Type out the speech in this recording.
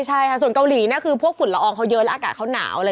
ใช่ส่วนเกาหลีพวกฝุ่นละอองเขาเยอะแล้วอากาศเขาหนาว